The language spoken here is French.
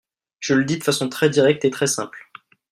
Je le dis de façon très directe et très simple.